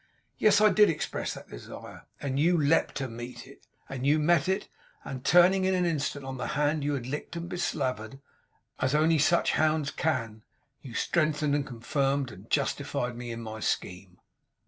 Yes. I did express that desire. And you leaped to meet it; and you met it; and turning in an instant on the hand you had licked and beslavered, as only such hounds can, you strengthened, and confirmed, and justified me in my scheme.